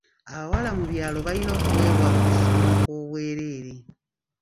Abawala mu byalo balina okuweebwa okusoma okwobwerere.